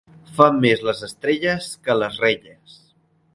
Fan més les estrelles que les relles.